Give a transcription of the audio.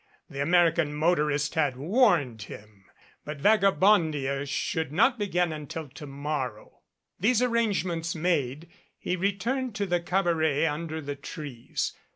The American motorist had warned him. But Vagabondia should not begin until to morrow. These arrangements made, he returned to the cabaret under the trees.